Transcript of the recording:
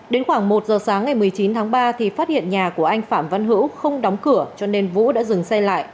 đến khoảng một giờ sáng ngày một mươi chín tháng ba thì phát hiện nhà của anh phạm văn hữu không đóng cửa cho nên vũ đã dừng xe lại